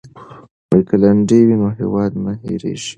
که لنډۍ وي نو هیواد نه هیریږي.